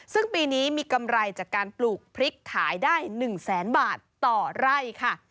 ซึ่งปีนี้มีกำไรจากการปลูกพริกขายได้๑แสนบาทต่อไร่ค่ะ